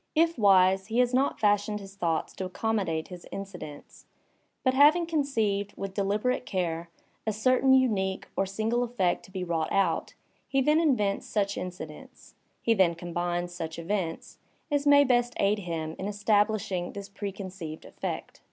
If wise, he has not fashioned his thoughts to accommodate his in cidents; but having conceived, with deliberate care, a certain unique or single eflFect to be wrought out, he then invents such incidents, he then combines such events, as may best aid him in establishing this preconceived effect.